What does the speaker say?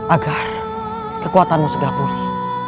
agar kekuatanmu segera pulih